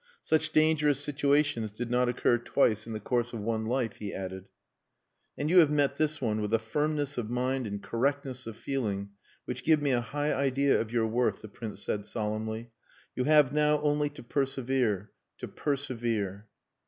Such dangerous situations did not occur twice in the course of one life he added. "And you have met this one with a firmness of mind and correctness of feeling which give me a high idea of your worth," the Prince said solemnly. "You have now only to persevere to persevere."